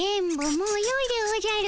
もうよいでおじゃる。